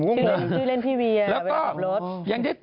พี่เล่นพี่เวียวเวลาขับรถ